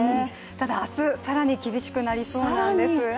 ただ明日、更に厳しくなりそうなんです。